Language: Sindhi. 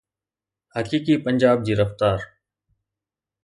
حقيقي پنجاب جي رفتار.